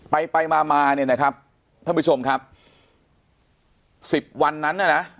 ไปไปมามาเนี่ยนะครับท่านผู้ชมครับสิบวันนั้นน่ะนะ